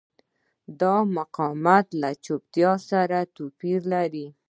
دا مقاومت له چوپتیا سره توپیر لري.